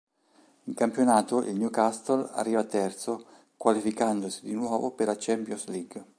In campionato il Newcastle arriva terzo qualificandosi di nuovo per la Champions League.